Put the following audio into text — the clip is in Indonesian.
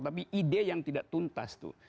tapi ide yang tidak tuntas tuh